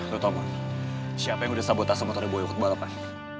lo tau mom siapa yang udah sabota sama tade boyo ke balapan